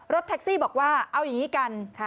รถแท็กซี่บอกว่าเอาอย่างนี้กัน